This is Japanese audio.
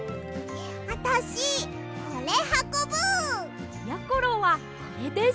あたしこれはこぶ！やころはこれです！